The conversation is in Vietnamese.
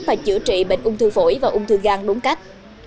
và chữa trị bệnh ung thư phổi và ung thư gan đúng cách